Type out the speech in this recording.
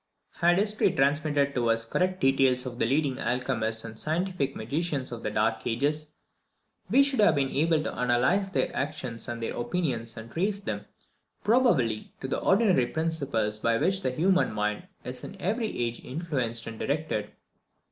Had history transmitted to us correct details of the leading alchemists and scientific magicians of the dark ages, we should have been able to analyse their actions and their opinions, and trace them, probably, to the ordinary principles by which the human mind is in every age influenced and directed.